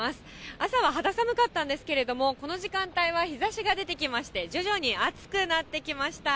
朝は肌寒かったんですけれども、この時間帯は日ざしが出てきまして、徐々に暑くなってきました。